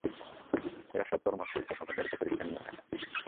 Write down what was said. এরা সৎকর্মশীল ও পাপাচারীদের পরীক্ষা নিয়ে থাকেন।